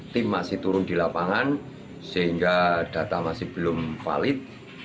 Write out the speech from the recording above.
tim masih turun di lapangan sehingga data masih belum valid